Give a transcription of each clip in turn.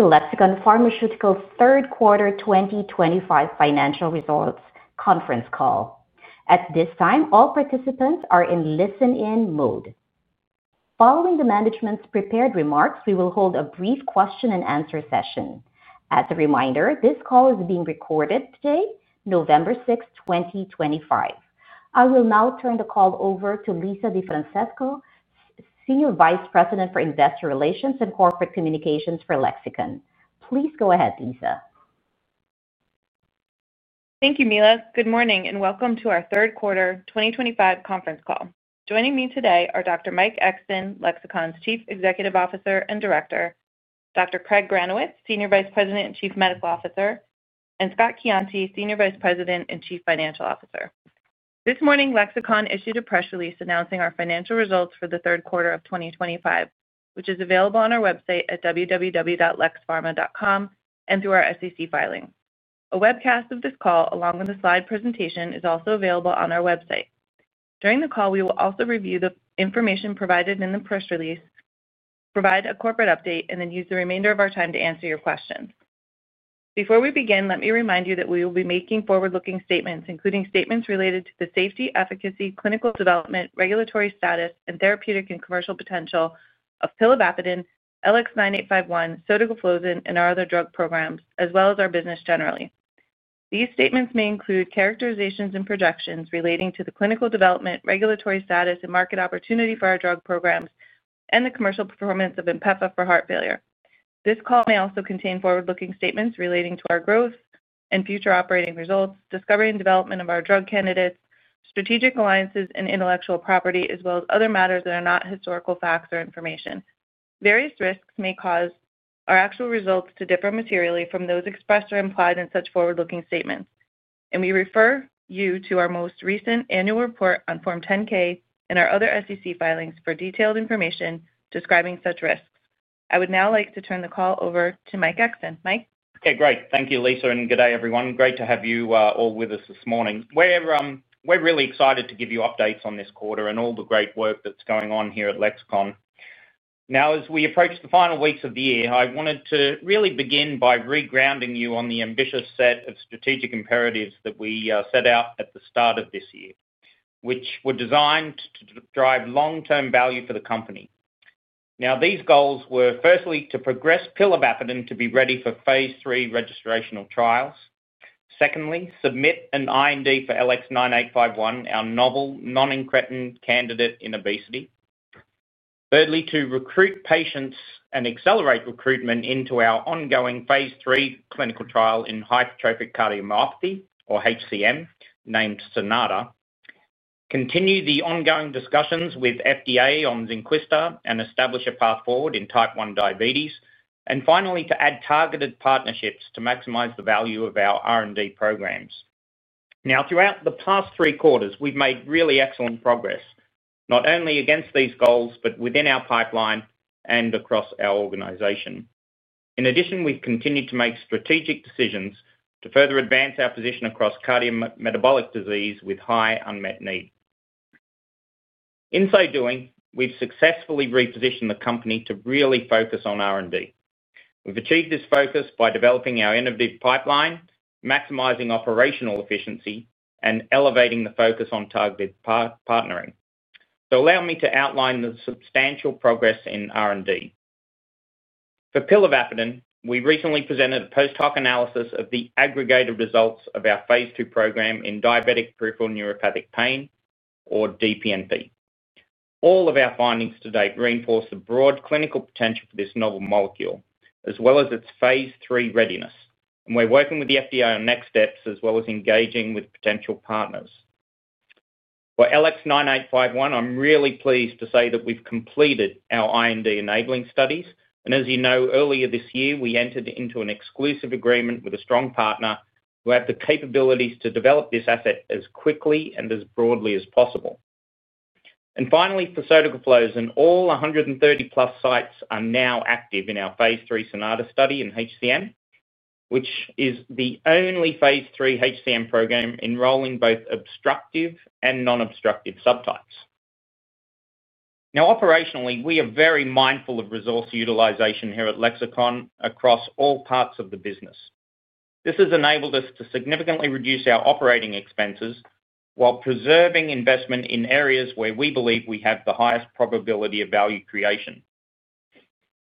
Welcome to the Lexicon Pharmaceuticals third quarter 2025 financial results conference call. At this time, all participants are in listen-in mode. Following the management's prepared remarks, we will hold a brief question-and-answer session. As a reminder, this call is being recorded today, November 6, 2025. I will now turn the call over to Lisa DeFrancesco, Senior Vice President for Investor Relations and Corporate Communications for Lexicon. Please go ahead, Lisa. Thank you, Mila. Good morning and welcome to our Third Quarter 2025 Conference Call. Joining me today are Dr. Mike Exton, Lexicon's Chief Executive Officer and Director, Dr. Craig Granowitz, Senior Vice President and Chief Medical Officer, and Scott Cianti, Senior Vice President and Chief Financial Officer. This morning, Lexicon issued a press release announcing our financial results for the third quarter of 2025, which is available on our website at www.lexpharma.com and through our SEC filing. A webcast of this call, along with a slide presentation, is also available on our website. During the call, we will also review the information provided in the press release, provide a corporate update, and then use the remainder of our time to answer your questions. Before we begin, let me remind you that we will be making forward-looking statements, including statements related to the safety, efficacy, clinical development, regulatory status, and therapeutic and commercial potential of pilobafidin, LX9851, sotagliflozin, and our other drug programs, as well as our business generally. These statements may include characterizations and projections relating to the clinical development, regulatory status, and market opportunity for our drug programs and the commercial performance of Inpefa for heart failure. This call may also contain forward-looking statements relating to our growth and future operating results, discovery and development of our drug candidates, strategic alliances, and intellectual property, as well as other matters that are not historical facts or information. Various risks may cause our actual results to differ materially from those expressed or implied in such forward-looking statements, and we refer you to our most recent annual report on Form 10-K and our other SEC filings for detailed information describing such risks. I would now like to turn the call over to Mike Exton. Mike. Okay. Great. Thank you, Lisa, and good day, everyone. Great to have you all with us this morning. We're really excited to give you updates on this quarter and all the great work that's going on here at Lexicon. Now, as we approach the final weeks of the year, I wanted to really begin by re-grounding you on the ambitious set of strategic imperatives that we set out at the start of this year, which were designed to drive long-term value for the company. Now, these goals were, firstly, to progress pilobafidin to be ready for phase III registrational trials. Secondly, submit an IND for LX9851, our novel non-incretin candidate in obesity. Thirdly, to recruit patients and accelerate recruitment into our ongoing phase III clinical trial in hypertrophic cardiomyopathy, or HCM, named Sonata. Continue the ongoing discussions with FDA on Zynquista and establish a path forward in type 1 diabetes. Finally, to add targeted partnerships to maximize the value of our R&D programs. Now, throughout the past three quarters, we've made really excellent progress, not only against these goals but within our pipeline and across our organization. In addition, we've continued to make strategic decisions to further advance our position across cardiometabolic disease with high unmet need. In so doing, we've successfully repositioned the company to really focus on R&D. We've achieved this focus by developing our innovative pipeline, maximizing operational efficiency, and elevating the focus on targeted partnering. Allow me to outline the substantial progress in R&D. For pilobafidin, we recently presented a post-hoc analysis of the aggregated results of our phase II program in diabetic peripheral neuropathic pain, or DPNP. All of our findings to date reinforce the broad clinical potential for this novel molecule, as well as its phase III readiness. We are working with the FDA on next steps, as well as engaging with potential partners. For LX9851, I'm really pleased to say that we've completed our IND enabling studies. As you know, earlier this year, we entered into an exclusive agreement with a strong partner who had the capabilities to develop this asset as quickly and as broadly as possible. Finally, for sotagliflozin, all 130-plus sites are now active in our phase III Sonata study in HCM, which is the only phase III HCM program enrolling both obstructive and non-obstructive subtypes. Operationally, we are very mindful of resource utilization here at Lexicon across all parts of the business. This has enabled us to significantly reduce our operating expenses while preserving investment in areas where we believe we have the highest probability of value creation.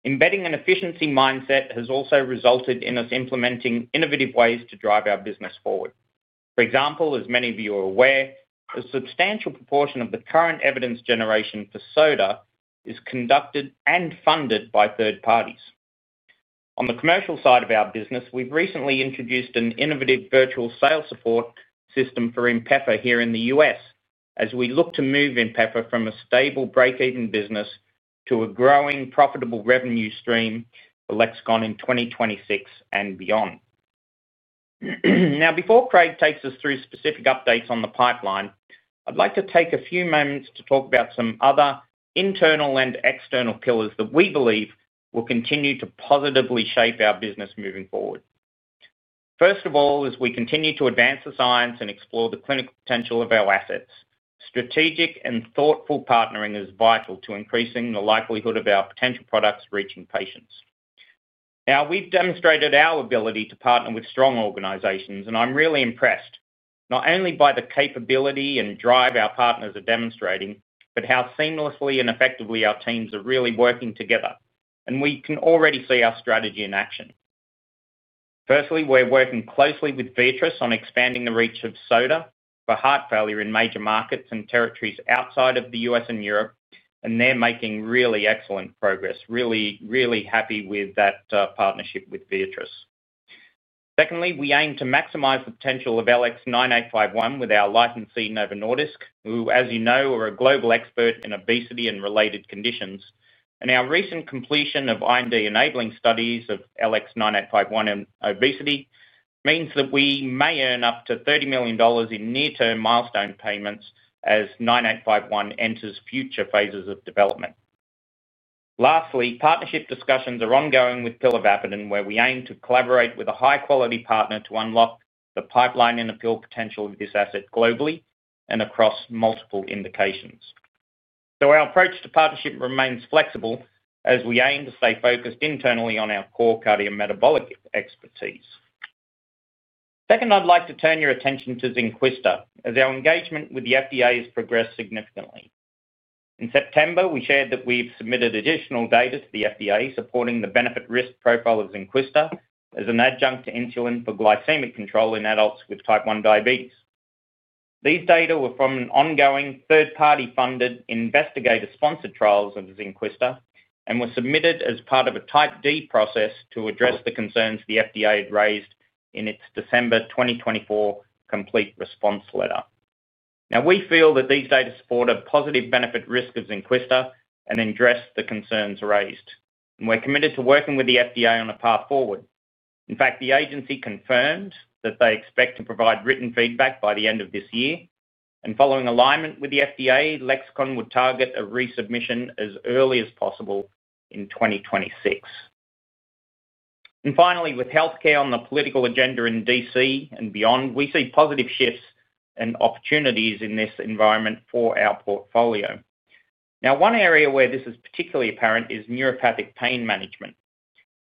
Embedding an efficiency mindset has also resulted in us implementing innovative ways to drive our business forward. For example, as many of you are aware, a substantial proportion of the current evidence generation for sotagliflozin is conducted and funded by third parties. On the commercial side of our business, we've recently introduced an innovative virtual sales support system for Inpefa here in the U.S., as we look to move Inpefa from a stable break-even business to a growing profitable revenue stream for Lexicon in 2026 and beyond. Now, before Craig takes us through specific updates on the pipeline, I'd like to take a few moments to talk about some other internal and external pillars that we believe will continue to positively shape our business moving forward. First of all, as we continue to advance the science and explore the clinical potential of our assets, strategic and thoughtful partnering is vital to increasing the likelihood of our potential products reaching patients. Now, we've demonstrated our ability to partner with strong organizations, and I'm really impressed, not only by the capability and drive our partners are demonstrating, but how seamlessly and effectively our teams are really working together. We can already see our strategy in action. Firstly, we're working closely with Viatris on expanding the reach of sotagliflozin for heart failure in major markets and territories outside of the U.S. and Europe, and they're making really excellent progress. Really, really happy with that partnership with Viatris. Secondly, we aim to maximize the potential of LX9851 with our licensee Novo Nordisk, who, as you know, are a global expert in obesity and related conditions. Our recent completion of IND enabling studies of LX9851 in obesity means that we may earn up to $30 million in near-term milestone payments as 9851 enters future phases of development. Lastly, partnership discussions are ongoing with pilobafidin, where we aim to collaborate with a high-quality partner to unlock the pipeline and appeal potential of this asset globally and across multiple indications. Our approach to partnership remains flexible, as we aim to stay focused internally on our core cardiometabolic expertise. Second, I'd like to turn your attention to Zynquista, as our engagement with the FDA has progressed significantly. In September, we shared that we've submitted additional data to the FDA supporting the benefit-risk profile of Zynquista as an adjunct to insulin for glycemic control in adults with type 1 diabetes. These data were from ongoing third-party-funded investigator-sponsored trials of Zynquista and were submitted as part of a type D process to address the concerns the FDA had raised in its December 2024 complete response letter. We feel that these data support a positive benefit-risk of Zynquista and address the concerns raised. We are committed to working with the FDA on a path forward. In fact, the agency confirmed that they expect to provide written feedback by the end of this year. Following alignment with the FDA, Lexicon would target a resubmission as early as possible in 2026. Finally, with healthcare on the political agenda in DC and beyond, we see positive shifts and opportunities in this environment for our portfolio. One area where this is particularly apparent is neuropathic pain management.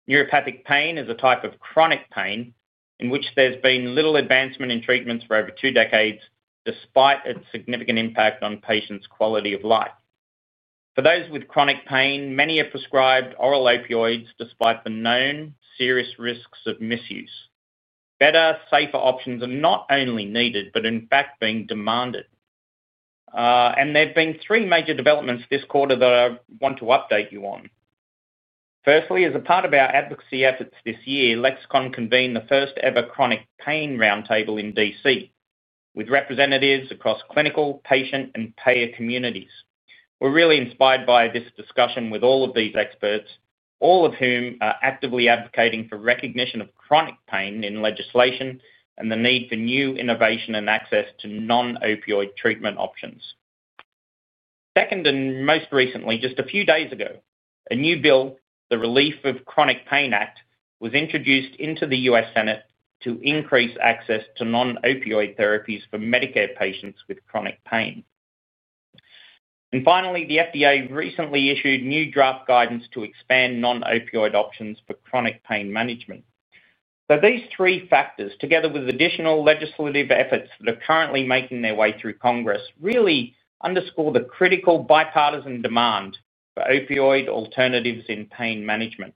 Neuropathic pain is a type of chronic pain in which there's been little advancement in treatments for over two decades, despite its significant impact on patients' quality of life. For those with chronic pain, many are prescribed oral opioids despite the known serious risks of misuse. Better, safer options are not only needed, but in fact being demanded. There have been three major developments this quarter that I want to update you on. Firstly, as a part of our advocacy efforts this year, Lexicon Pharmaceuticals convened the first-ever chronic pain roundtable in Washington DC with representatives across clinical, patient, and payer communities. We're really inspired by this discussion with all of these experts, all of whom are actively advocating for recognition of chronic pain in legislation and the need for new innovation and access to non-opioid treatment options. Second, and most recently, just a few days ago, a new bill, the Relief of Chronic Pain Act, was introduced into the U.S. Senate to increase access to non-opioid therapies for Medicare patients with chronic pain. Finally, the FDA recently issued new draft guidance to expand non-opioid options for chronic pain management. These three factors, together with additional legislative efforts that are currently making their way through Congress, really underscore the critical bipartisan demand for opioid alternatives in pain management.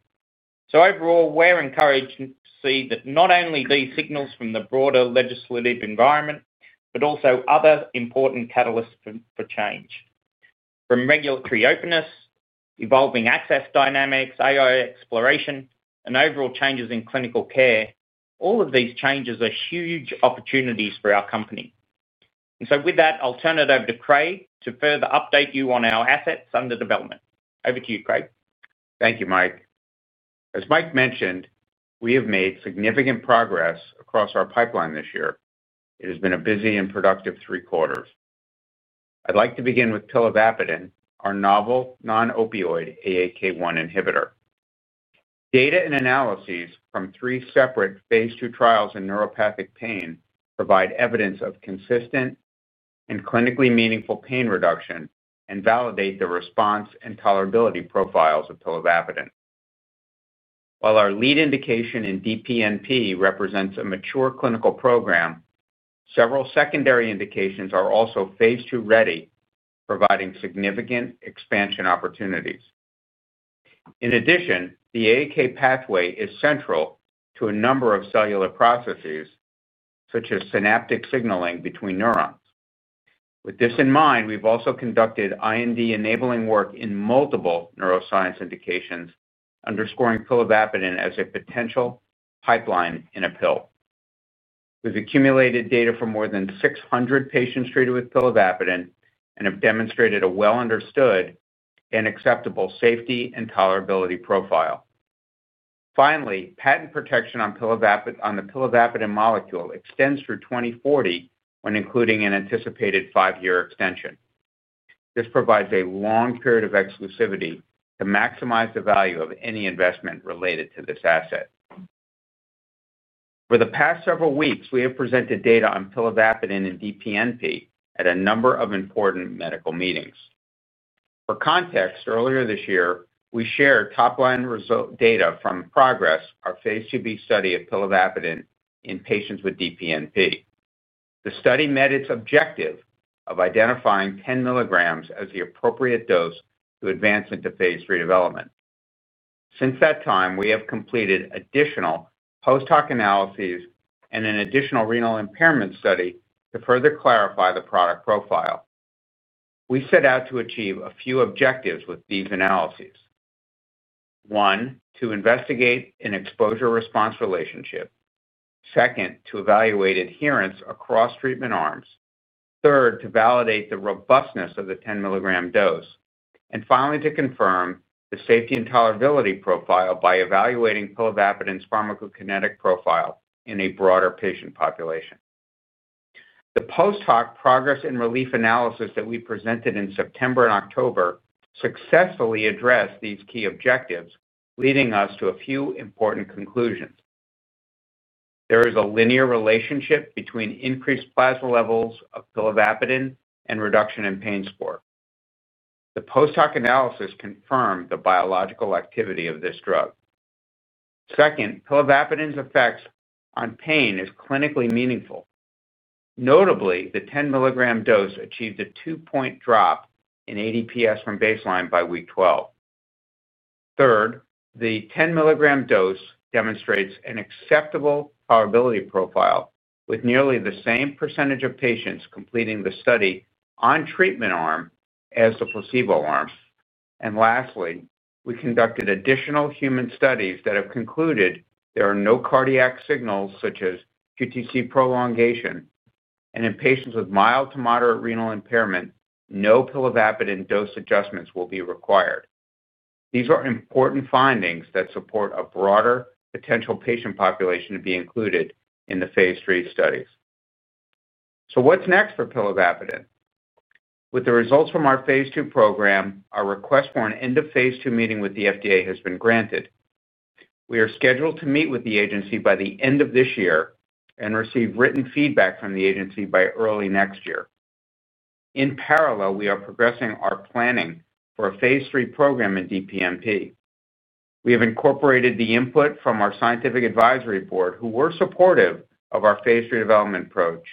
Overall, we're encouraged to see that not only these signals from the broader legislative environment, but also other important catalysts for change. From regulatory openness, evolving access dynamics, AI exploration, and overall changes in clinical care, all of these changes are huge opportunities for our company. With that, I'll turn it over to Craig to further update you on our assets under development. Over to you, Craig. Thank you, Mike. As Mike mentioned, we have made significant progress across our pipeline this year. It has been a busy and productive three quarters. I'd like to begin with pilobafidin, our novel non-opioid AAK1 inhibitor. Data and analyses from three separate phase 2 trials in neuropathic pain provide evidence of consistent and clinically meaningful pain reduction and validate the response and tolerability profiles of pilobafidin. While our lead indication in DPNP represents a mature clinical program, several secondary indications are also phase 2 ready, providing significant expansion opportunities. In addition, the AAK pathway is central to a number of cellular processes, such as synaptic signaling between neurons. With this in mind, we've also conducted IND enabling work in multiple neuroscience indications, underscoring pilobafidin as a potential pipeline in a pill. We've accumulated data from more than 600 patients treated with pilobafidin and have demonstrated a well-understood and acceptable safety and tolerability profile. Finally, patent protection on the pilobafidin molecule extends through 2040 when including an anticipated five-year extension. This provides a long period of exclusivity to maximize the value of any investment related to this asset. For the past several weeks, we have presented data on pilobafidin and DPNP at a number of important medical meetings. For context, earlier this year, we shared top-line data from PROGRESS, our phase II-B study of pilobafidin in patients with DPNP. The study met its objective of identifying 10 mg as the appropriate dose to advance into phase III development. Since that time, we have completed additional post-hoc analyses and an additional renal impairment study to further clarify the product profile. We set out to achieve a few objectives with these analyses. One, to investigate an exposure-response relationship. Second, to evaluate adherence across treatment arms. Third, to validate the robustness of the 10 mg dose. Finally, to confirm the safety and tolerability profile by evaluating pilobafidin's pharmacokinetic profile in a broader patient population. The post-hoc PROGRESS and RELIEF analyses that we presented in September and October successfully addressed these key objectives, leading us to a few important conclusions. There is a linear relationship between increased plasma levels of pilobafidin and reduction in pain score. The post-hoc analysis confirmed the biological activity of this drug. Second, pilobafidin's effects on pain are clinically meaningful. Notably, the 10 milligram dose achieved a two-point drop in ADPS from baseline by week 12. Third, the 10 mg dose demonstrates an acceptable tolerability profile with nearly the same percentage of patients completing the study on treatment arm as the placebo arms. Lastly, we conducted additional human studies that have concluded there are no cardiac signals such as QTc prolongation. In patients with mild to moderate renal impairment, no pilobafidin dose adjustments will be required. These are important findings that support a broader potential patient population to be included in the phase III studies. What's next for pilobafidin? With the results from our phase II program, our request for an end-of-phase II meeting with the FDA has been granted. We are scheduled to meet with the agency by the end of this year and receive written feedback from the agency by early next year. In parallel, we are progressing our planning for a phase III program in DPNP. We have incorporated the input from our scientific advisory board, who were supportive of our phase III development approach,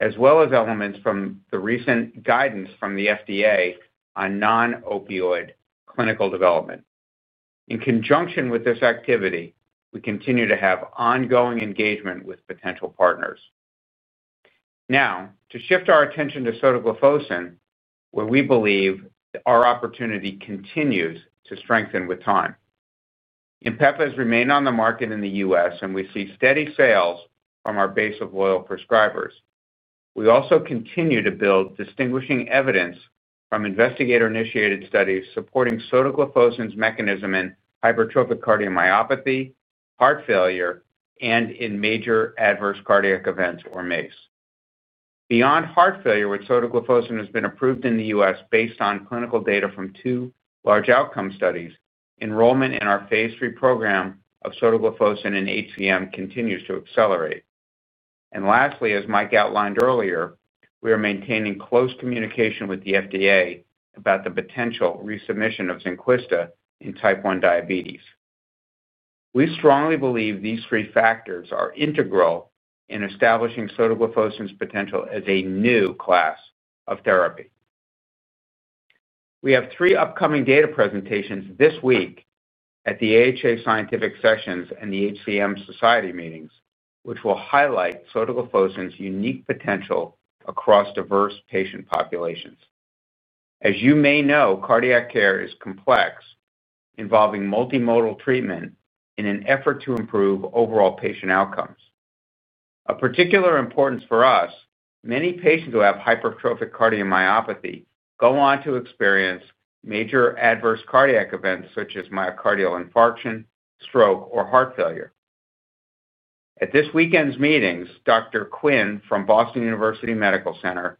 as well as elements from the recent guidance from the FDA on non-opioid clinical development. In conjunction with this activity, we continue to have ongoing engagement with potential partners. Now, to shift our attention to sotagliflozin, where we believe our opportunity continues to strengthen with time. Inpefa has remained on the market in the US, and we see steady sales from our base of loyal prescribers. We also continue to build distinguishing evidence from investigator-initiated studies supporting sotagliflozin's mechanism in hypertrophic cardiomyopathy, heart failure, and in major adverse cardiac events, or MACE. Beyond heart failure, where sotagliflozin has been approved in the US based on clinical data from two large outcome studies, enrollment in our phase III program of sotagliflozin and HCM continues to accelerate. Lastly, as Mike outlined earlier, we are maintaining close communication with the FDA about the potential resubmission of Zynquista in type 1 diabetes. We strongly believe these three factors are integral in establishing sotagliflozin's potential as a new class of therapy. We have three upcoming data presentations this week at the AHA scientific sessions and the HCM Society meetings, which will highlight sotagliflozin's unique potential across diverse patient populations. As you may know, cardiac care is complex, involving multimodal treatment in an effort to improve overall patient outcomes. Of particular importance for us, many patients who have hypertrophic cardiomyopathy go on to experience major adverse cardiac events such as myocardial infarction, stroke, or heart failure. At this weekend's meetings, Dr. Quinn from Boston University Medical Center,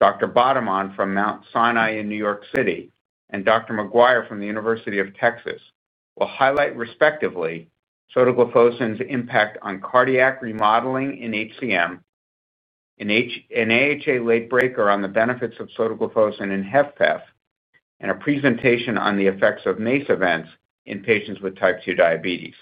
Dr. Bottomon from Mount Sinai in New York City, and Dr. McGuire from the University of Texas will highlight respectively sotagliflozin's impact on cardiac remodeling in HCM. An AHA late breaker on the benefits of sotagliflozin in HFpEF, and a presentation on the effects of MACE events in patients with type 2 diabetes.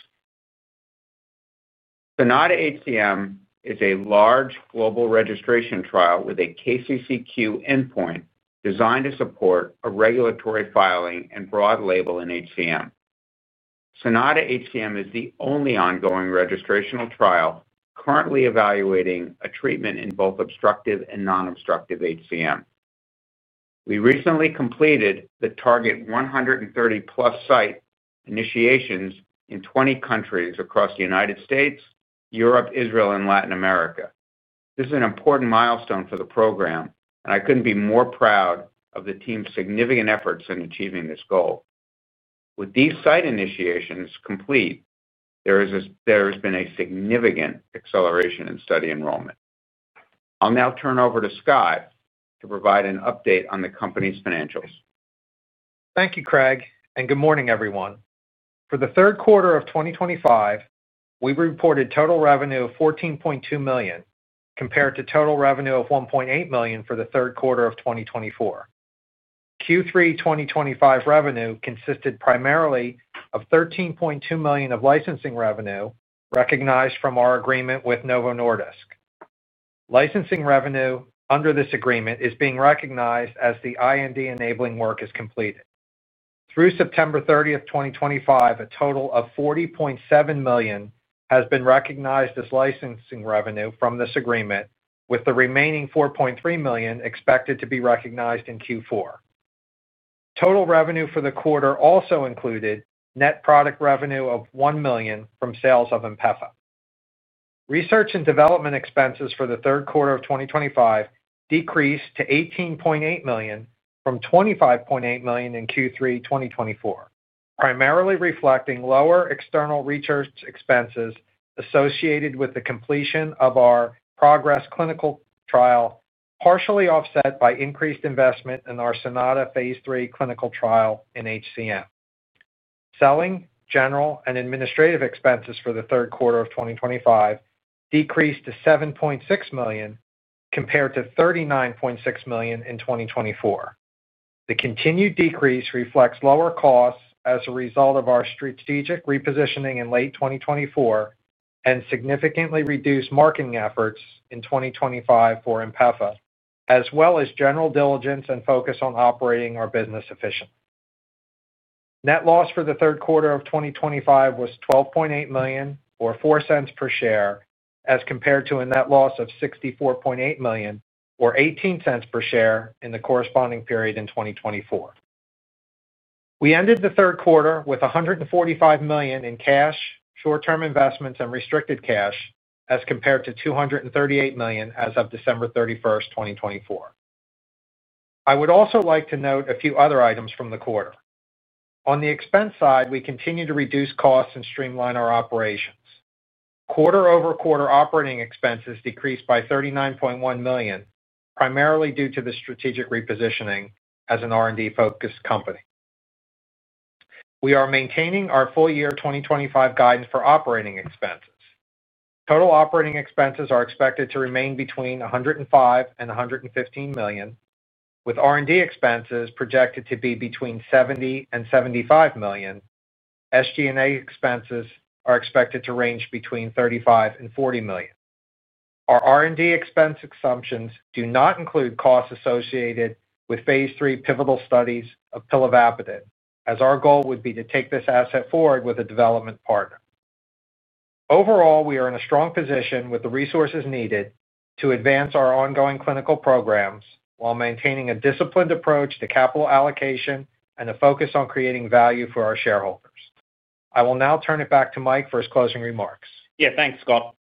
Sonata HCM is a large global registration trial with a KCCQ endpoint designed to support a regulatory filing and broad label in HCM. Sonata HCM is the only ongoing registrational trial currently evaluating a treatment in both obstructive and non-obstructive HCM. We recently completed the target 130-plus site initiations in 20 countries across the United States, Europe, Israel, and Latin America. This is an important milestone for the program, and I couldn't be more proud of the team's significant efforts in achieving this goal. With these site initiations complete, there has been a significant acceleration in study enrollment. I'll now turn it over to Scott to provide an update on the company's financials. Thank you, Craig, and good morning, everyone. For the third quarter of 2025, we reported total revenue of $14.2 million compared to total revenue of $1.8 million for the third quarter of 2024. Q3 2025 revenue consisted primarily of $13.2 million of licensing revenue recognized from our agreement with Novo Nordisk. Licensing revenue under this agreement is being recognized as the IND enabling work is completed. Through September 30, 2025, a total of $40.7 million has been recognized as licensing revenue from this agreement, with the remaining $4.3 million expected to be recognized in Q4. Total revenue for the quarter also included net product revenue of $1 million from sales of Inpefa. Research and development expenses for the third quarter of 2025 decreased to $18.8 million from $25.8 million in Q3 2024, primarily reflecting lower external research expenses associated with the completion of our PROGRESS clinical trial, partially offset by increased investment in our Sonata phase III clinical trial in HCM. Selling, general, and administrative expenses for the third quarter of 2025 decreased to $7.6 million compared to $39.6 million in 2024. The continued decrease reflects lower costs as a result of our strategic repositioning in late 2024. Significantly reduced marketing efforts in 2025 for Inpefa, as well as general diligence and focus on operating our business efficiently. Net loss for the third quarter of 2025 was $12.8 million, or $0.04 per share, as compared to a net loss of $64.8 million, or $0.18 per share in the corresponding period in 2024. We ended the third quarter with $145 million in cash, short-term investments, and restricted cash as compared to $238 million as of December 31, 2024. I would also like to note a few other items from the quarter. On the expense side, we continue to reduce costs and streamline our operations. Quarter-over-quarter operating expenses decreased by $39.1 million, primarily due to the strategic repositioning as an R&D-focused company. We are maintaining our full year 2025 guidance for operating expenses. Total operating expenses are expected to remain between $105 million and $115 million, with R&D expenses projected to be between $70 million and $75 million. SG&A expenses are expected to range between $35 million and $40 million. Our R&D expense assumptions do not include costs associated with phase III pivotal studies of pilobafidin, as our goal would be to take this asset forward with a development partner. Overall, we are in a strong position with the resources needed to advance our ongoing clinical programs while maintaining a disciplined approach to capital allocation and a focus on creating value for our shareholders. I will now turn it back to Mike for his closing remarks. Yeah, thanks, Scott.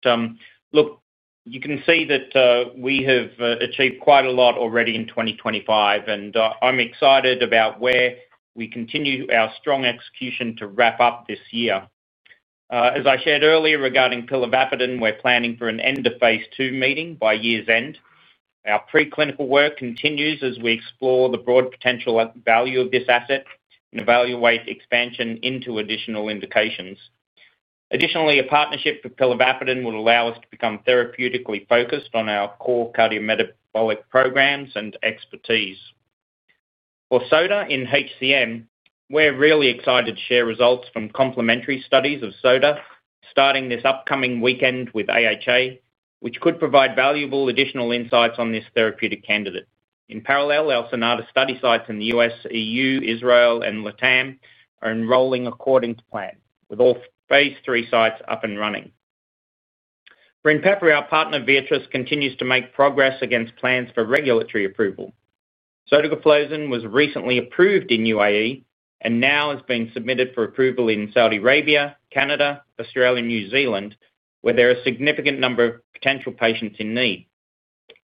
Look, you can see that we have achieved quite a lot already in 2025, and I'm excited about where we continue our strong execution to wrap up this year. As I shared earlier regarding pilobafidin, we're planning for an end-of-phase II meeting by year's end. Our preclinical work continues as we explore the broad potential value of this asset and evaluate expansion into additional indications. Additionally, a partnership with pilobafidin will allow us to become therapeutically focused on our core cardiometabolic programs and expertise. For SOTA in HCM, we're really excited to share results from complementary studies of SOTA starting this upcoming weekend with AHA, which could provide valuable additional insights on this therapeutic candidate. In parallel, our Sonata study sites in the U.S., Europe, Israel, and LATAM are enrolling according to plan, with all phase III sites up and running. For Inpefa, our partner Viatris continues to make progress against plans for regulatory approval. Sotagliflozin was recently approved in UAE and now is being submitted for approval in Saudi Arabia, Canada, Australia, and New Zealand, where there are a significant number of potential patients in need.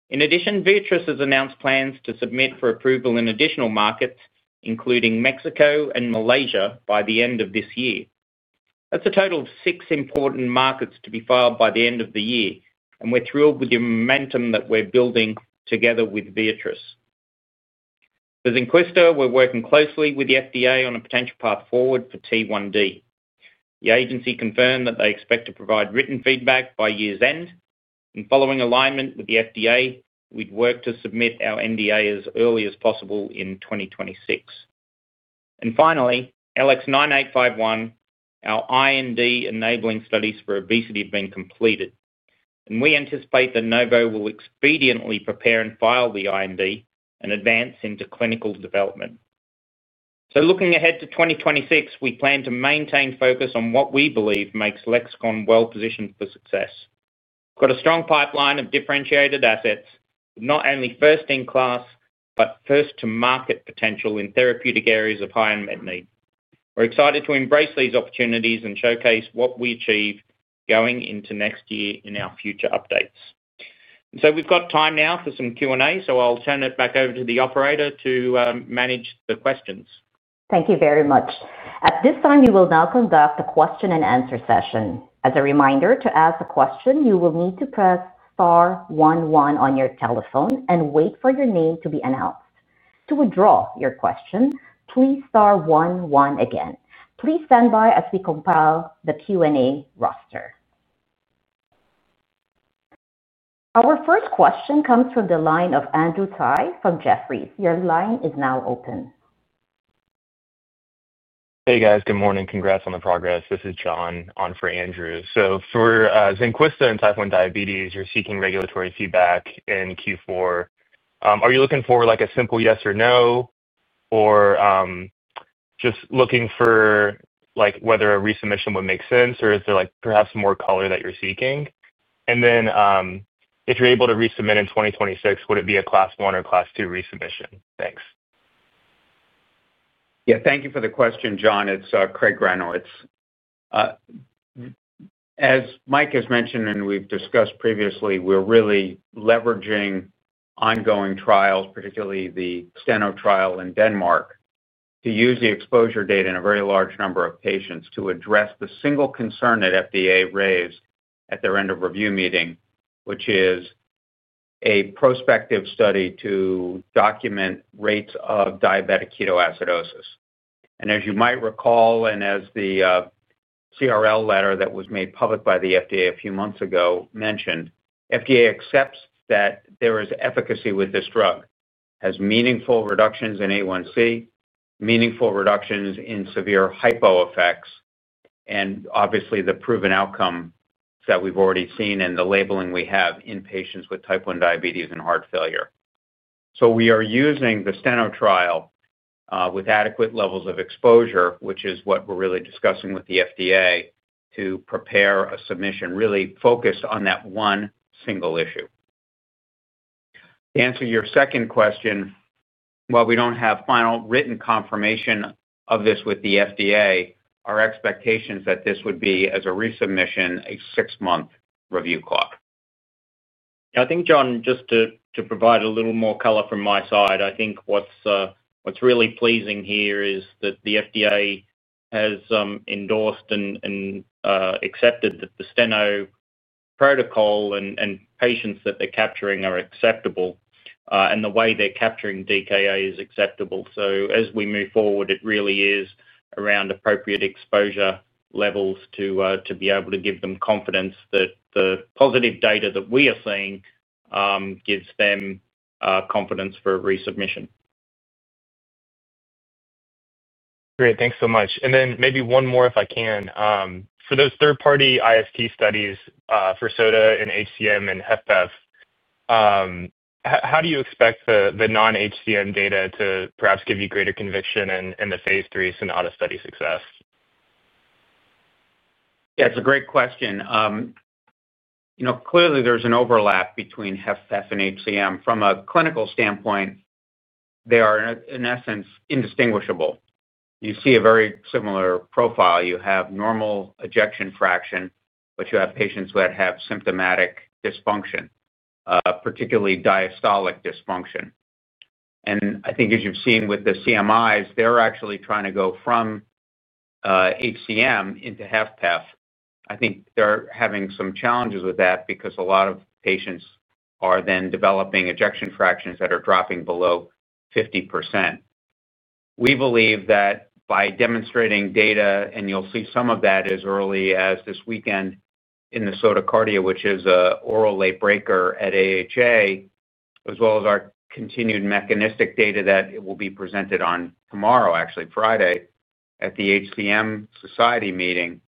In addition, Viatris has announced plans to submit for approval in additional markets, including Mexico and Malaysia, by the end of this year. That's a total of six important markets to be filed by the end of the year, and we're thrilled with the momentum that we're building together with Viatris. For Zynquista, we're working closely with the FDA on a potential path forward for T1D. The agency confirmed that they expect to provide written feedback by year's end, and following alignment with the FDA, we'd work to submit our NDA as early as possible in 2026. Finally, LX9851, our IND enabling studies for obesity have been completed, and we anticipate that Novo will expediently prepare and file the IND and advance into clinical development. Looking ahead to 2026, we plan to maintain focus on what we believe makes Lexicon well-positioned for success. We've got a strong pipeline of differentiated assets, not only first-in-class but first-to-market potential in therapeutic areas of high and mid need. We're excited to embrace these opportunities and showcase what we achieve going into next year in our future updates. We've got time now for some Q&A, so I'll turn it back over to the operator to manage the questions. Thank you very much. At this time, you will now conduct a question-and-answer session. As a reminder, to ask a question, you will need to press star one one on your telephone and wait for your name to be announced. To withdraw your question, please press star one one again. Please stand by as we compile the Q&A roster. Our first question comes from the line of Andrew Tsai from Jefferies. Your line is now open. Hey, guys. Good morning. Congrats on the progress. This is John on for Andrew. For Zynquista and type 1 diabetes, you're seeking regulatory feedback in Q4. Are you looking for a simple yes or no, or just looking for whether a resubmission would make sense, or is there perhaps more color that you're seeking? If you're able to resubmit in 2026, would it be a Class 1 or Class 2 resubmission? Thanks. Yeah, thank you for the question, John. It's Craig Granowitz. As Mike has mentioned and we've discussed previously, we're really leveraging ongoing trials, particularly the Steno trial in Denmark, to use the exposure data in a very large number of patients to address the single concern that FDA raised at their end-of-review meeting, which is a prospective study to document rates of diabetic ketoacidosis. As you might recall, and as the CRL letter that was made public by the FDA a few months ago mentioned, FDA accepts that there is efficacy with this drug, has meaningful reductions in A1C, meaningful reductions in severe hypo effects, and obviously the proven outcome that we've already seen and the labeling we have in patients with type 1 diabetes and heart failure. We are using the Steno trial with adequate levels of exposure, which is what we're really discussing with the FDA, to prepare a submission really focused on that one single issue. To answer your second question, while we don't have final written confirmation of this with the FDA, our expectation is that this would be, as a resubmission, a six-month review clock. Yeah, I think, John, just to provide a little more color from my side, I think what's really pleasing here is that the FDA has endorsed and accepted that the Steno protocol and patients that they're capturing are acceptable, and the way they're capturing DKA is acceptable. As we move forward, it really is around appropriate exposure levels to be able to give them confidence that the positive data that we are seeing gives them confidence for a resubmission. Great. Thanks so much. Maybe one more, if I can. For those third-party IST studies for sotagliflozin in HCM and HFpEF, how do you expect the non-HCM data to perhaps give you greater conviction in the phase III Sonata study success? Yeah, it's a great question. Clearly, there's an overlap between HFpEF and HCM. From a clinical standpoint, they are, in essence, indistinguishable. You see a very similar profile. You have normal ejection fraction, but you have patients that have symptomatic dysfunction, particularly diastolic dysfunction. I think, as you've seen with the CMIs, they're actually trying to go from HCM into HFpEF. I think they're having some challenges with that because a lot of patients are then developing ejection fractions that are dropping below 50%. We believe that by demonstrating data, and you'll see some of that as early as this weekend in the SOTA CARDIA, which is an oral late breaker at AHA, as well as our continued mechanistic data that will be presented on tomorrow, actually Friday, at the HCM Society meeting.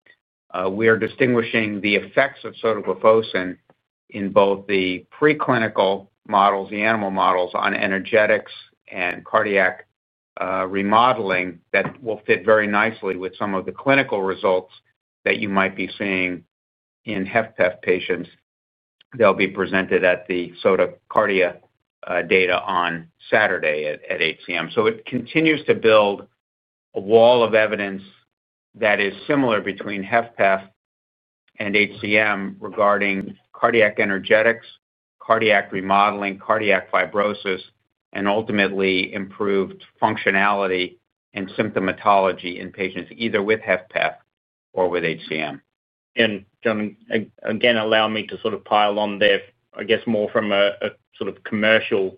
We are distinguishing the effects of sotagliflozin in both the preclinical models, the animal models, on energetics and cardiac remodeling that will fit very nicely with some of the clinical results that you might be seeing in HFpEF patients that will be presented at the SOTA CARDIA data on Saturday at HCM. It continues to build a wall of evidence that is similar between HFpEF and HCM regarding cardiac energetics, cardiac remodeling, cardiac fibrosis, and ultimately improved functionality and symptomatology in patients either with HFpEF or with HCM. John, again, allow me to sort of pile on there, I guess, more from a sort of commercial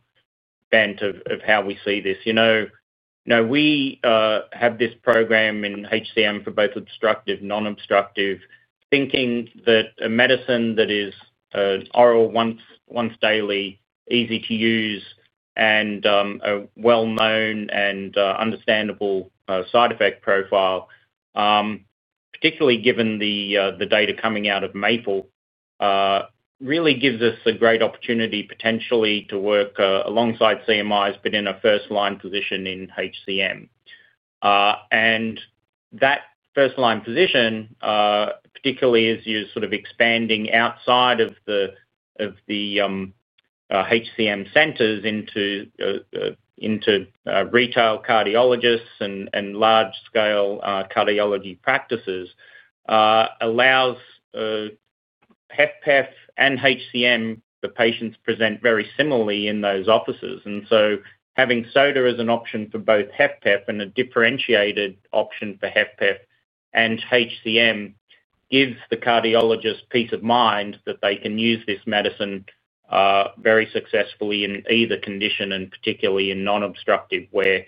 bent of how we see this. You know, we have this program in HCM for both obstructive and non-obstructive, thinking that a medicine that is an oral once daily, easy to use, and a well-known and understandable side effect profile. Particularly given the data coming out of Maple. Really gives us a great opportunity potentially to work alongside CMIs, but in a first-line position in HCM. That first-line position, particularly as you're sort of expanding outside of the HCM centers into retail cardiologists and large-scale cardiology practices, allows HFpEF and HCM. The patients present very similarly in those offices, and having SOTA as an option for both HFpEF and a differentiated option for HFpEF and HCM gives the cardiologist peace of mind that they can use this medicine very successfully in either condition, particularly in non-obstructive, where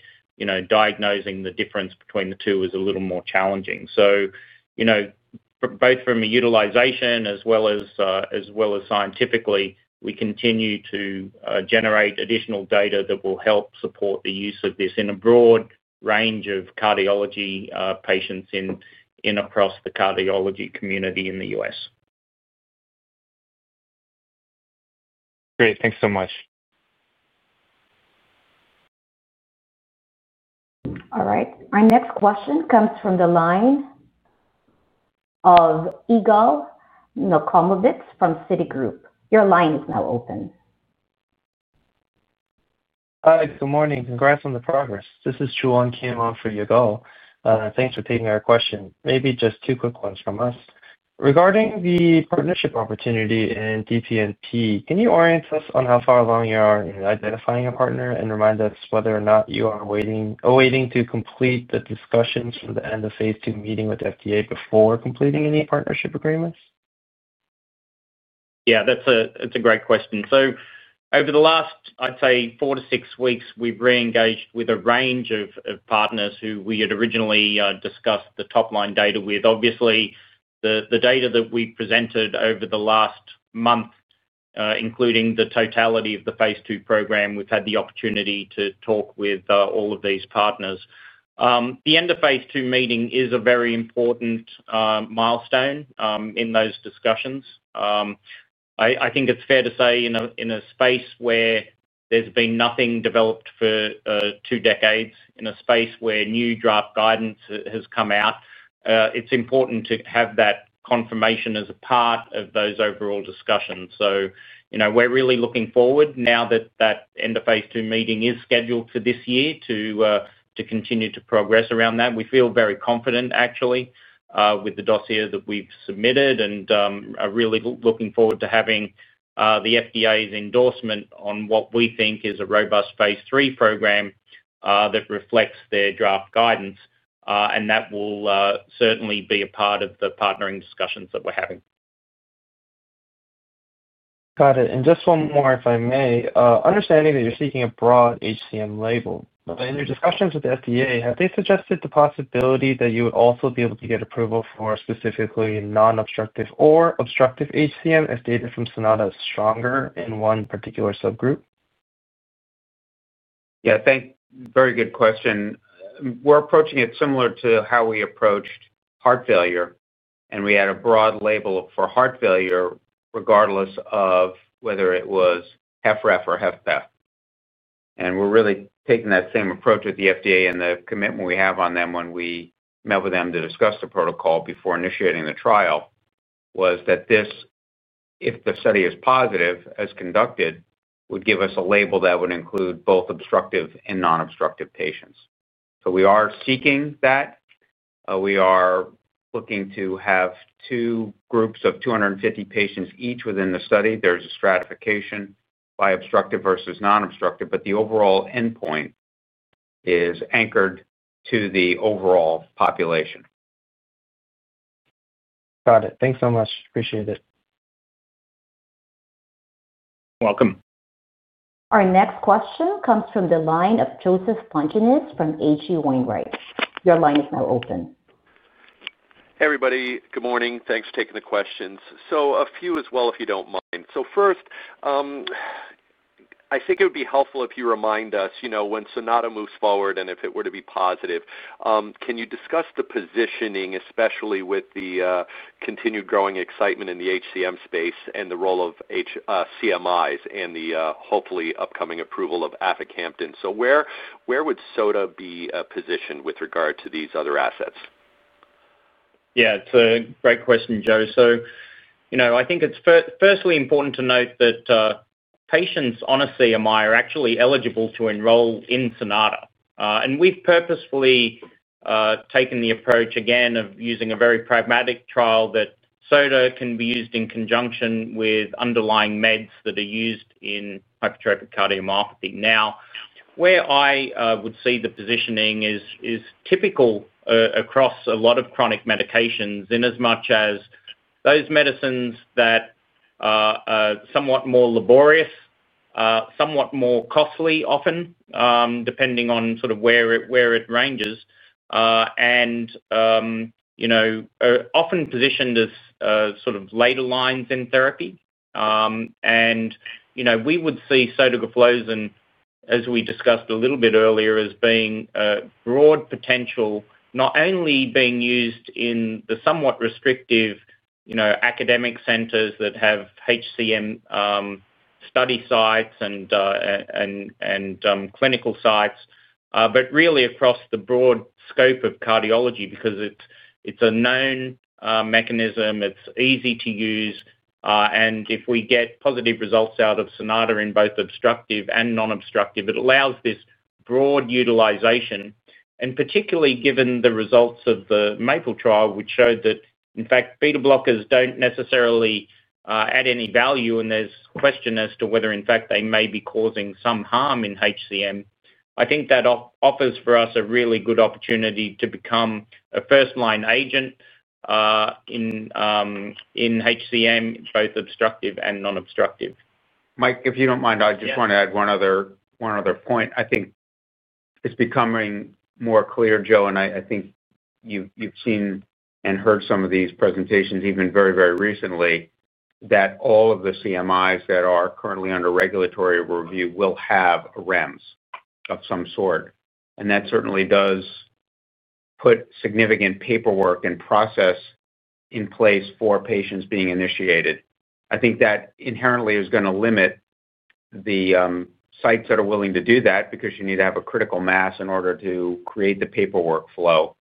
diagnosing the difference between the two is a little more challenging. Both from a utilization as well as scientifically, we continue to generate additional data that will help support the use of this in a broad range of cardiology patients in and across the cardiology community in the U.S. Great. Thanks so much. All right. Our next question comes from the line of Yigal Nochomovitz from Citigroup. Your line is now open. Hi. Good morning. Congrats on the progress. This is John Kim on for Yigal. Thanks for taking our question. Maybe just two quick ones from us. Regarding the partnership opportunity in DPNP, can you orient us on how far along you are in identifying a partner and remind us whether or not you are awaiting to complete the discussions from the end of phase II meeting with FDA before completing any partnership agreements? Yeah, that's a great question. Over the last, I'd say, four to six weeks, we've re-engaged with a range of partners who we had originally discussed the top-line data with. Obviously, the data that we presented over the last month, including the totality of the phase II program, we've had the opportunity to talk with all of these partners. The end-of-phase II meeting is a very important milestone in those discussions. I think it's fair to say in a space where there's been nothing developed for two decades, in a space where new draft guidance has come out, it's important to have that confirmation as a part of those overall discussions. We're really looking forward now that that end-of-phase II meeting is scheduled for this year to continue to progress around that. We feel very confident, actually, with the dossier that we've submitted and are really looking forward to having the FDA's endorsement on what we think is a robust phase III program. That reflects their draft guidance, and that will certainly be a part of the partnering discussions that we're having. Got it. And just one more, if I may. Understanding that you're seeking a broad HCM label, in your discussions with the FDA, have they suggested the possibility that you would also be able to get approval for specifically non-obstructive or obstructive HCM as data from Sonata is stronger in one particular subgroup? Yeah, thank you. Very good question. We're approaching it similar to how we approached heart failure, and we had a broad label for heart failure regardless of whether it was HFrEF or HFpEF. We're really taking that same approach with the FDA, and the commitment we have on them when we met with them to discuss the protocol before initiating the trial was that this, if the study is positive, as conducted, would give us a label that would include both obstructive and non-obstructive patients. We are seeking that. We are looking to have two groups of 250 patients each within the study. There's a stratification by obstructive versus non-obstructive, but the overall endpoint is anchored to the overall population. Got it. Thanks so much. Appreciate it. You're welcome. Our next question comes from the line of Joe Pantginis from H.C. Wainwright. Your line is now open. Hey, everybody. Good morning. Thanks for taking the questions. A few as well, if you do not mind. First, I think it would be helpful if you remind us when Sonata moves forward and if it were to be positive, can you discuss the positioning, especially with the continued growing excitement in the HCM space and the role of CMIs and the hopefully upcoming approval of Afacamtin? Where would SOTA be positioned with regard to these other assets? Yeah, it's a great question, Joe. I think it's firstly important to note that patients, honestly, are actually eligible to enroll in Sonata. We've purposefully taken the approach, again, of using a very pragmatic trial that sotagliflozin can be used in conjunction with underlying meds that are used in hypertrophic cardiomyopathy. Now, where I would see the positioning is typical across a lot of chronic medications in as much as those medicines that are somewhat more laborious, somewhat more costly often, depending on sort of where it ranges, and are often positioned as sort of later lines in therapy. We would see sotagliflozin, as we discussed a little bit earlier, as being a broad potential, not only being used in the somewhat restrictive academic centers that have HCM study sites and clinical sites, but really across the broad scope of cardiology because it's a known mechanism. It's easy to use. If we get positive results out of Sonata in both obstructive and non-obstructive, it allows this broad utilization. Particularly given the results of the Maple trial, which showed that, in fact, beta blockers do not necessarily add any value, and there is question as to whether, in fact, they may be causing some harm in HCM, I think that offers for us a really good opportunity to become a first-line agent in HCM, both obstructive and non-obstructive. Mike, if you don't mind, I just want to add one other point. I think it's becoming more clear, Joe, and I think you've seen and heard some of these presentations even very, very recently, that all of the CMIs that are currently under regulatory review will have a REMS of some sort. That certainly does put significant paperwork and process in place for patients being initiated. I think that inherently is going to limit the sites that are willing to do that because you need to have a critical mass in order to create the paperwork flow.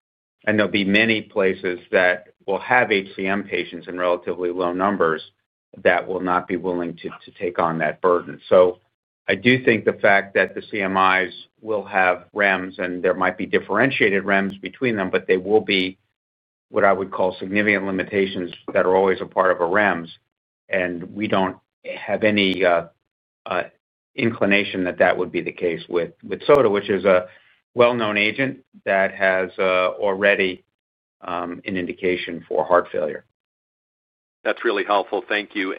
There will be many places that will have HCM patients in relatively low numbers that will not be willing to take on that burden. I do think the fact that the CMIs will have REMS, and there might be differentiated REMS between them, but there will be what I would call significant limitations that are always a part of a REMS. We do not have any inclination that that would be the case with sotagliflozin, which is a well-known agent that has already an indication for heart failure. That's really helpful. Thank you.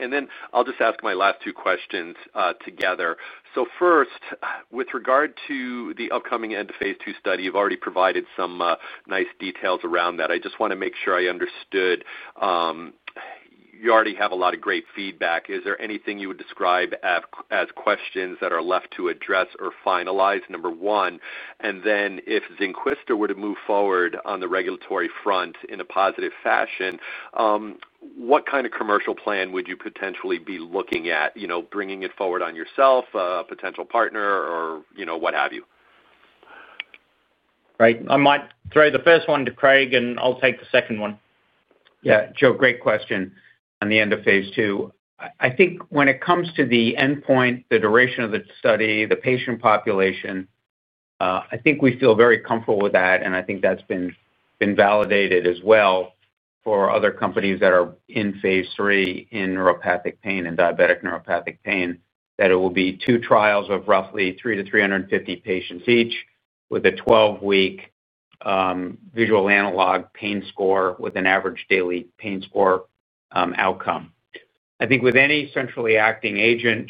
I'll just ask my last two questions together. First, with regard to the upcoming end-of-phase II study, you've already provided some nice details around that. I just want to make sure I understood. You already have a lot of great feedback. Is there anything you would describe as questions that are left to address or finalize? Number one. If Zynquista were to move forward on the regulatory front in a positive fashion, what kind of commercial plan would you potentially be looking at? Bringing it forward on yourself, a potential partner, or what have you? Right. I might throw the first one to Craig, and I'll take the second one. Yeah, Joe, great question. On the end of phase II, I think when it comes to the endpoint, the duration of the study, the patient population, I think we feel very comfortable with that. I think that's been validated as well for other companies that are in phase III in neuropathic pain and diabetic neuropathic pain, that it will be two trials of roughly 300-350 patients each with a 12-week visual analog pain score with an average daily pain score outcome. I think with any centrally acting agent,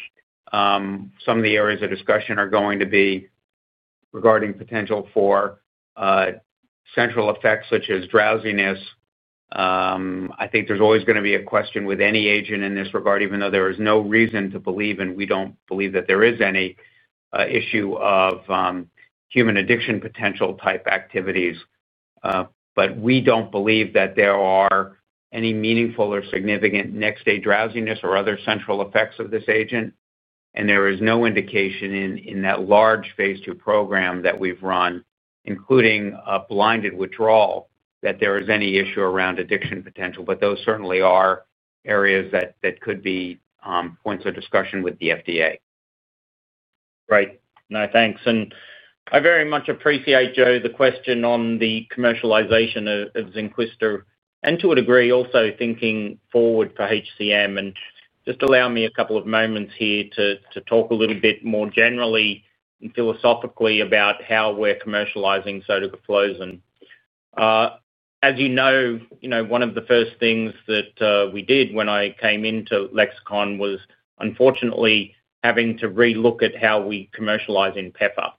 some of the areas of discussion are going to be regarding potential for central effects such as drowsiness. I think there's always going to be a question with any agent in this regard, even though there is no reason to believe, and we don't believe that there is any issue of human addiction potential type activities. We don't believe that there are any meaningful or significant next-day drowsiness or other central effects of this agent. There is no indication in that large phase II program that we've run, including a blinded withdrawal, that there is any issue around addiction potential. Those certainly are areas that could be points of discussion with the FDA. Right. No, thanks. I very much appreciate, Joe, the question on the commercialization of Zynquista, and to a degree also thinking forward for HCM. Just allow me a couple of moments here to talk a little bit more generally and philosophically about how we're commercializing sotagliflozin. As you know, one of the first things that we did when I came into Lexicon was, unfortunately, having to re-look at how we commercialize Inpefa.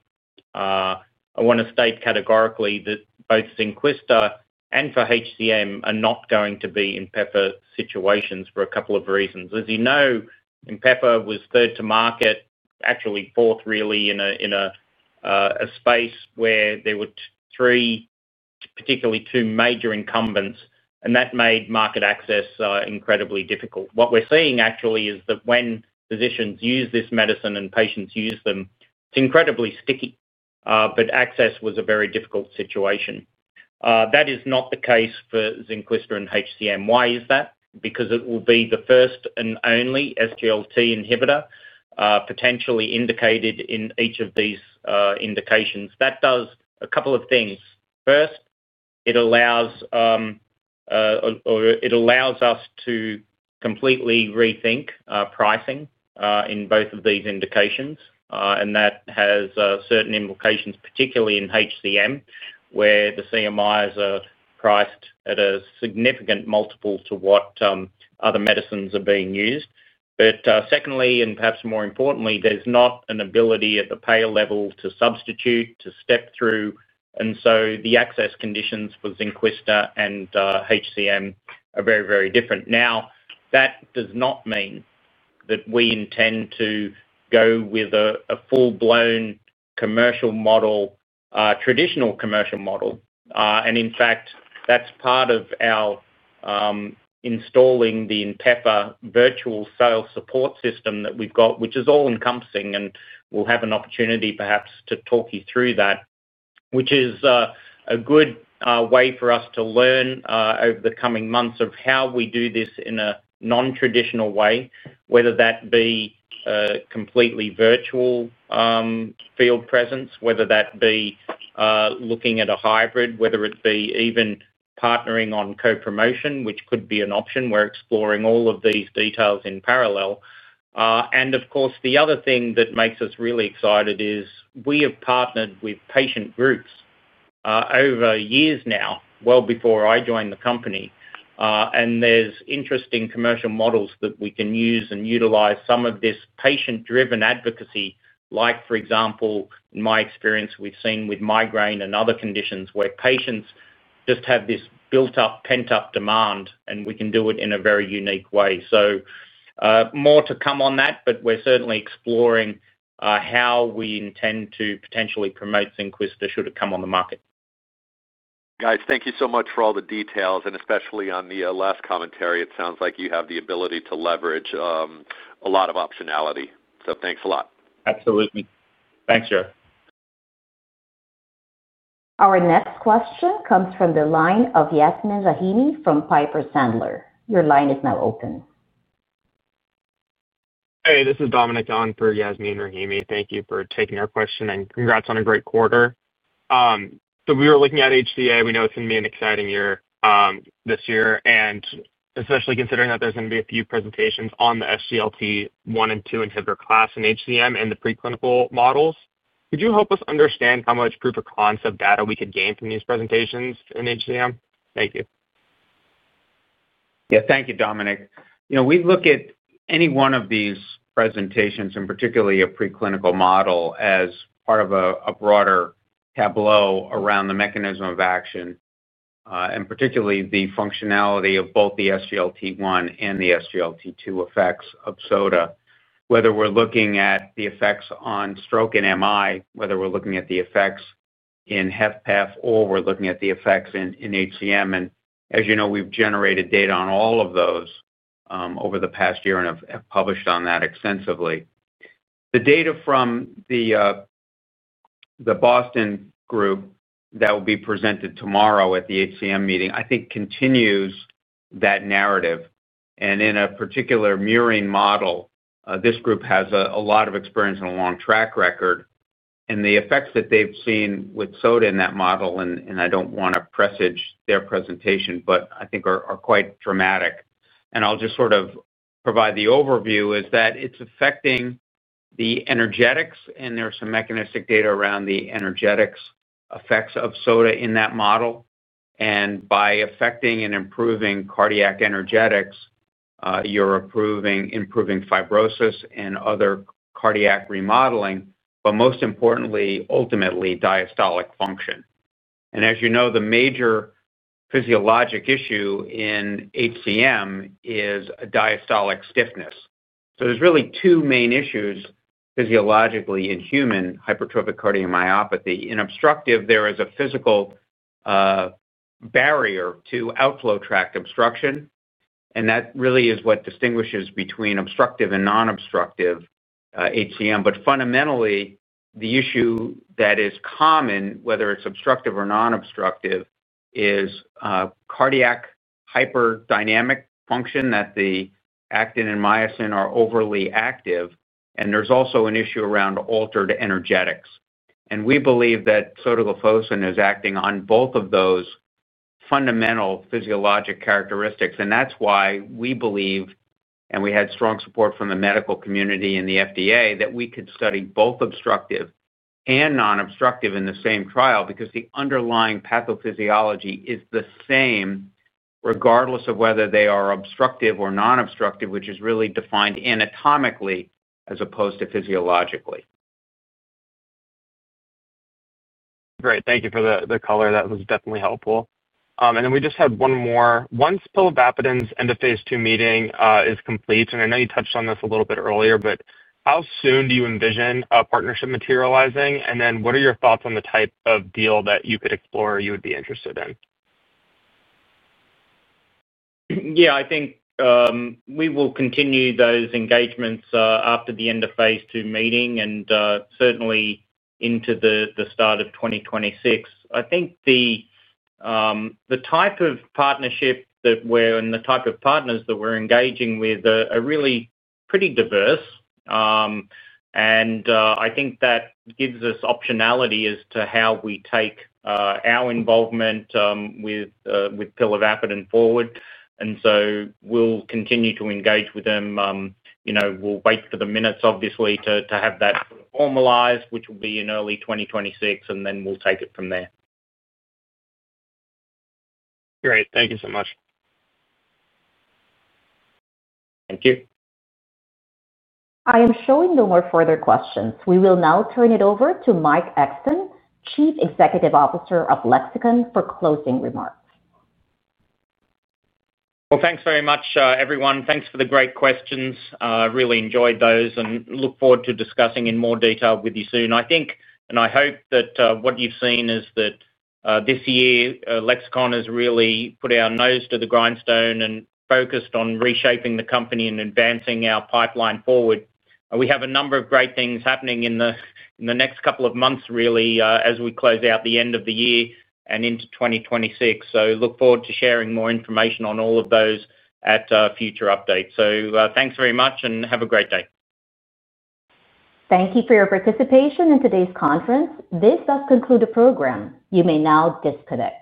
I want to state categorically that both Zynquista and for HCM are not going to be in Inpefa situations for a couple of reasons. As you know, in Inpefa, it was third to market, actually fourth really, in a space where there were three, particularly two major incumbents, and that made market access incredibly difficult. What we're seeing actually is that when physicians use this medicine and patients use them, it's incredibly sticky, but access was a very difficult situation. That is not the case for Zynquista and HCM. Why is that? Because it will be the first and only SGLT inhibitor potentially indicated in each of these indications. That does a couple of things. First, it allows us to completely rethink pricing in both of these indications. And that has certain implications, particularly in HCM, where the CMIs are priced at a significant multiple to what other medicines are being used. Secondly, and perhaps more importantly, there's not an ability at the payer level to substitute, to step through. The access conditions for Zynquista and HCM are very, very different. Now, that does not mean that we intend to go with a full-blown traditional commercial model. In fact, that is part of our installing the Inpefa virtual sales support system that we have, which is all-encompassing. We will have an opportunity, perhaps, to talk you through that, which is a good way for us to learn over the coming months how we do this in a non-traditional way, whether that be a completely virtual field presence, whether that be looking at a hybrid, or whether it be even partnering on co-promotion, which could be an option. We are exploring all of these details in parallel. Of course, the other thing that makes us really excited is we have partnered with patient groups over years now, well before I joined the company. There are interesting commercial models that we can use and utilize some of this patient-driven advocacy. Like, for example, in my experience, we've seen with migraine and other conditions where patients just have this built-up, pent-up demand, and we can do it in a very unique way. More to come on that, but we're certainly exploring how we intend to potentially promote Zynquista should it come on the market. Guys, thank you so much for all the details. Especially on the last commentary, it sounds like you have the ability to leverage a lot of optionality. Thanks a lot. Absolutely. Thanks, Joe. Our next question comes from the line of Yasmin Rahimi from Piper Sandler. Your line is now open. Hey, this is Dominic on for Yasmin Rahimi. Thank you for taking our question and congrats on a great quarter. We were looking at HCM. We know it's going to be an exciting year this year, and especially considering that there's going to be a few presentations on the SGLT1 and 2 inhibitor class in HCM and the preclinical models. Could you help us understand how much proof of concept data we could gain from these presentations in HCM? Thank you. Yeah, thank you, Dominic. We look at any one of these presentations, and particularly a preclinical model, as part of a broader tableau around the mechanism of action. Particularly the functionality of both the SGLT1 and the SGLT2 effects of SOTA, whether we're looking at the effects on stroke and MI, whether we're looking at the effects in HFpEF, or we're looking at the effects in HCM. As you know, we've generated data on all of those over the past year and have published on that extensively. The data from the Boston group that will be presented tomorrow at the HCM meeting, I think, continues that narrative. In a particular murine model, this group has a lot of experience and a long track record. The effects that they've seen with SOTA in that model—I don't want to presage their presentation, but I think are quite dramatic, and I'll just sort of provide the overview—is that it's affecting the energetics. There's some mechanistic data around the energetics effects of SOTA in that model. By affecting and improving cardiac energetics, you're improving fibrosis and other cardiac remodeling, but most importantly, ultimately, diastolic function. As you know, the major physiologic issue in HCM is diastolic stiffness. There are really two main issues physiologically in human hypertrophic cardiomyopathy. In obstructive, there is a physical barrier to outflow tract obstruction, and that really is what distinguishes between obstructive and non-obstructive HCM. Fundamentally, the issue that is common, whether it's obstructive or non-obstructive, is cardiac hyperdynamic function, that the actin and myosin are overly active. There's also an issue around altered energetics. We believe that sotagliflozin is acting on both of those fundamental physiologic characteristics. That is why we believe, and we had strong support from the medical community and the FDA, that we could study both obstructive and non-obstructive in the same trial because the underlying pathophysiology is the same. Regardless of whether they are obstructive or non-obstructive, which is really defined anatomically as opposed to physiologically. Great. Thank you for the color. That was definitely helpful. We just had one more. Once pilavapadin's end-of-phase II meeting is complete—and I know you touched on this a little bit earlier—how soon do you envision a partnership materializing? What are your thoughts on the type of deal that you could explore or you would be interested in? Yeah, I think we will continue those engagements after the end-of-phase II meeting and certainly into the start of 2026. I think the type of partnership that we're and the type of partners that we're engaging with are really pretty diverse. I think that gives us optionality as to how we take our involvement with pilavapadin forward. We will continue to engage with them. We'll wait for the minutes, obviously, to have that formalized, which will be in early 2026, and then we'll take it from there. Great. Thank you so much. Thank you. I am showing no more further questions. We will now turn it over to Mike Exton, Chief Executive Officer of Lexicon, for closing remarks. Thanks very much, everyone. Thanks for the great questions. I really enjoyed those and look forward to discussing in more detail with you soon. I think, and I hope that what you've seen is that this year, Lexicon Pharmaceuticals has really put our nose to the grindstone and focused on reshaping the company and advancing our pipeline forward. We have a number of great things happening in the next couple of months, really, as we close out the end of the year and into 2026. I look forward to sharing more information on all of those at future updates. Thanks very much and have a great day. Thank you for your participation in today's conference. This does conclude the program. You may now disconnect.